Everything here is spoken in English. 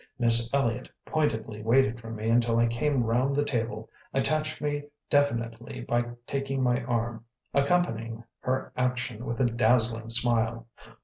Miss Elliott pointedly waited for me until I came round the table, attached me definitely by taking my arm, accompanying her action with a dazzling smile.